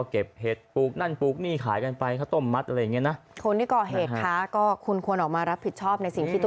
ขอบคุณครับ